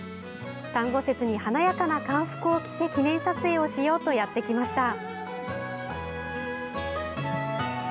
端午節に華やかな漢服を着て記念撮影をしようとやってきました。